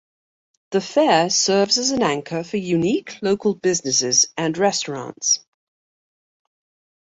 The fair serves as an anchor for unique local businesses and restaurants.